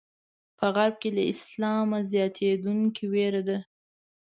په غرب کې له اسلامه زیاتېدونکې وېره ده.